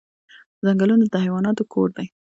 ځنګلونه د حیواناتو کور دی